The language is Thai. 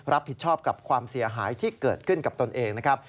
รับผิดชอบกับความเสียหายที่เกิดขึ้นกับตนเองนะครับ